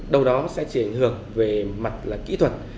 đâu đó sẽ chỉ ảnh hưởng về mặt là kỹ thuật